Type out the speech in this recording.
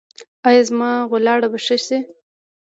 ایا زما ولاړه به ښه شي؟